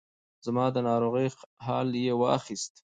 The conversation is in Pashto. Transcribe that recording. زما د ناروغۍ حال یې واخیست.